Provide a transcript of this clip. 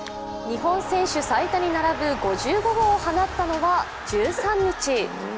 日本選手最多に並ぶ５５号を放ったのは１３日。